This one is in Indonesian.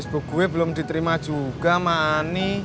bu gue belum diterima juga sama ani